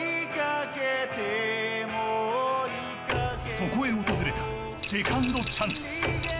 そこへ訪れたセカンドチャンス。